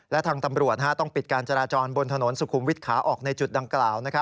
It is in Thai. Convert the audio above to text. และทางตำรวจต้องปิดการจราจรบนถนนสุขุมวิทย์ขาออกในจุดดังกล่าว